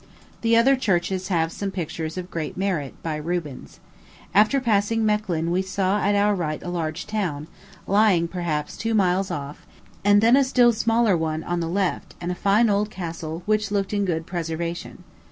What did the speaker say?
The other churches have some pictures of great merit, by Rubens. After passing Mechlin, we saw at our right a large town, lying, perhaps, two miles off, and then a still smaller one to the left, and a fine old castle, which looked in good preservation.